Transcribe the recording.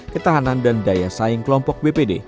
ketahanan dan daya saing kelompok bpd